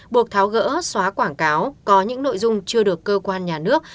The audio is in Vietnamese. buộc tháo gỡ xóa quảng cáo có những nội dung chưa được cơ quan nhà nước